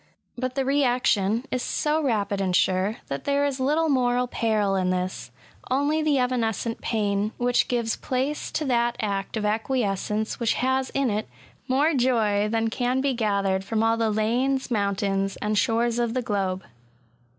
But the reaction is so rapid and sure, that there is little moral peril in this— only the evanescent pain, which gives place to that act of acquiescence which has in it more joy than can be gathered from all the lanes, mountains, and shores of the globe.